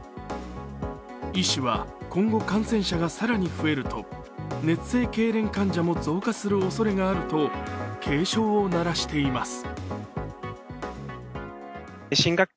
医師は今後、感染者が更に増えると熱性けいれんも増加するおそれがあると警鐘を鳴らしています。